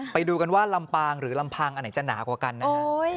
ไปดูกันว่าลำปางหรือลำพังอันไหนจะหนากว่ากันนะฮะ